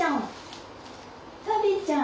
サビちゃん。